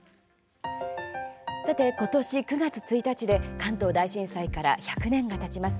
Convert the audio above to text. さて、今年９月１日で関東大震災から１００年がたちます。